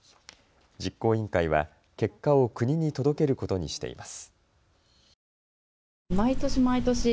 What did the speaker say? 実行委員会は結果を国に届けることにしています。